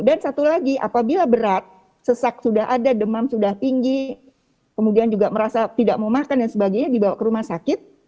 dan satu lagi apabila berat sesak sudah ada demam sudah tinggi kemudian juga merasa tidak mau makan dan sebagainya dibawa ke rumah sakit